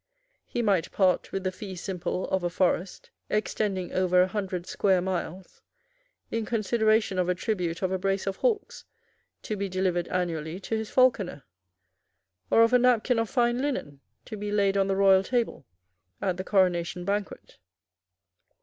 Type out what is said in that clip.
He might part with the fee simple of a forest extending over a hundred square miles in consideration of a tribute of a brace of hawks to be delivered annually to his falconer, or of a napkin of fine linen to be laid on the royal table at the coronation banquet.